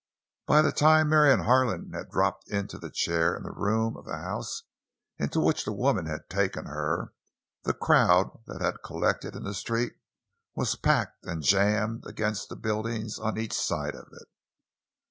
By the time Marion Harlan had dropped into the chair in the room of the house into which the woman had taken her, the crowd that had collected in the street was packed and jammed against the buildings on each side of it.